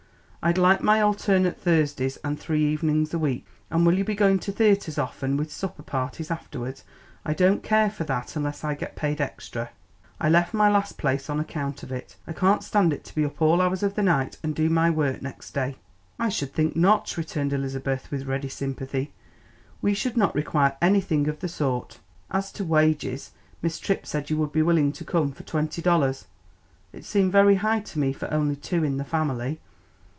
I'd like my alternate Thursdays and three evenings a week; and will you be going to theatres often with supper parties after? I don't care for that, unless I get paid extra. I left my last place on account of it; I can't stand it to be up all hours of the night and do my work next day." "I should think not!" returned Elizabeth, with ready sympathy. "We should not require anything of the sort. As to wages, Miss Tripp said you would be willing to come for twenty dollars. It seemed very high to me for only two in the family."